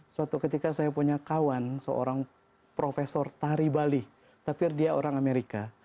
suatu ketika saya punya kawan seorang profesor tari bali tapi dia orang amerika